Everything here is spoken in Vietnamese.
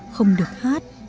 không được hát được